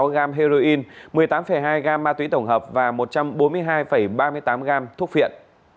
bảy mươi tám tám mươi sáu gam heroin một mươi tám hai gam ma túy tổng hợp và một trăm bốn mươi hai ba mươi tám gam thuốc phiện